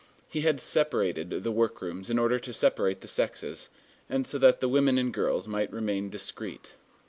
He had separated the work rooms in order to separate the sexes, and so that the women and girls might remain discreet.